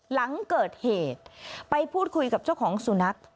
หลังเกิดเหตุไปพูดคุยกับเจ้าของสุนัข